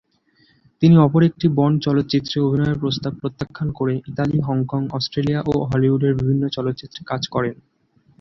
তিনি অপর একটি বন্ড চলচ্চিত্রে অভিনয়ের প্রস্তাব প্রত্যাখ্যান করে ইতালি, হংকং, অস্ট্রেলিয়া ও হলিউডের বিভিন্ন চলচ্চিত্রে কাজ করেন।